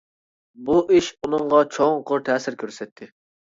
بۇ ئىش ئۇنىڭغا چوڭقۇر تەسىر كۆرسەتتى.